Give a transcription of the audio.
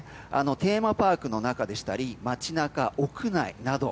テーマパークの中でしたり街中、屋内など。